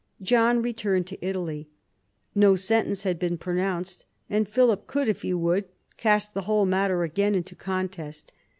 John returned to Italy. No sentence had been pronounced, and Philip could, if he would, cast the whole matter again into contest.